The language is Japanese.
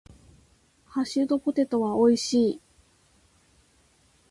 ハッシュドポテトは美味しい。